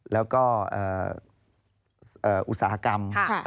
แล้วก็อุตสาหกรรม